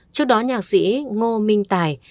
trước đó nhạc sĩ ngô minh tài